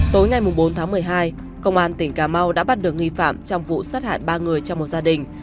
tối ngày bốn tháng một mươi hai công an tỉnh cà mau đã bắt được nghi phạm trong vụ sát hại ba người trong một gia đình